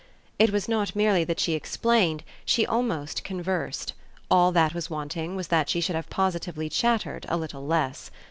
It was not merely that she explained; she almost conversed; all that was wanting was that she should have positively chattered a little less.